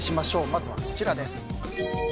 まずは、こちらです。